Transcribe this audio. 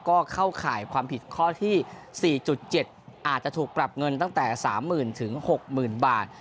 ก็เข้าข่ายความผิดข้อที่สี่จุดเจ็ดอาจจะถูกปรับเงินตั้งแต่สามหมื่นถึงหกหมื่นบาท